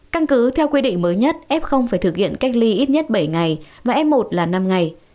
căn cứ theo quy định mới nhất f phải thực hiện cách ly ít nhất bảy ngày và f một là năm ngày